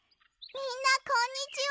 みんなこんにちは！